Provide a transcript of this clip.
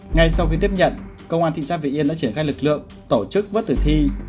ngay sau khi tiếp nhận công an thị xã vĩnh yên đã triển khai lực lượng tổ chức vớt tử thi